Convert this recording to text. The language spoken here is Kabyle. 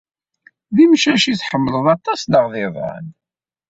D imcac ay tḥemmled aṭas neɣ d iḍan?